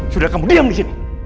sudah kamu diam disini